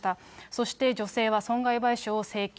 そして女性は損害賠償を請求。